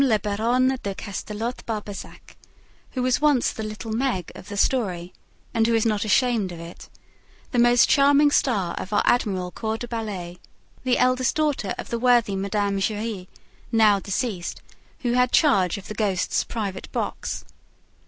la Baronne de Castelot Barbezac, who was once the "little Meg" of the story (and who is not ashamed of it), the most charming star of our admirable corps de ballet, the eldest daughter of the worthy Mme. Giry, now deceased, who had charge of the ghost's private box.